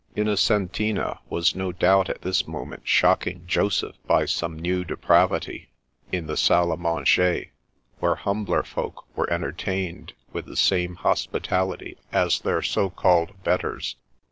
Innocentina was no doubt at this moment shocking Joseph by some new depravity, in the salle d fnanger where humbltr folk were entertained with the same hospitality as their (so called) betters.